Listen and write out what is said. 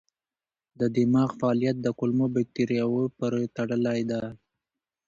د دماغ فعالیت د کولمو بکتریاوو پورې تړلی دی.